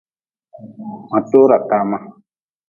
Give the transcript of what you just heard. Ma tora tama.